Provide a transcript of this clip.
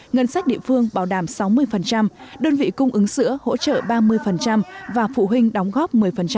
ngân sách địa phương bảo đảm sáu mươi đơn vị cung ứng sữa hỗ trợ ba mươi và phụ huynh đóng góp một mươi